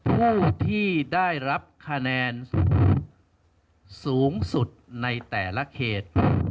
ผู้ที่ได้รับคะแนนสูงสุดในแต่ละเขต